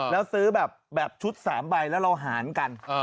แล้วซื้อแบบชุด๓ใบแล้วเราหารกัน